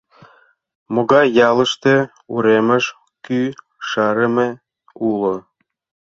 Могай ялыште уремеш кӱ шарыме уло?